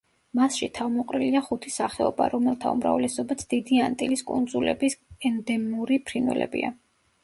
მასში თავმოყრილია ხუთი სახეობა, რომელთა უმრავლესობაც დიდი ანტილის კუნძულების ენდემური ფრინველებია.